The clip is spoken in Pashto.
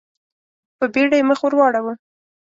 په بېړه يې مخ ور واړاوه.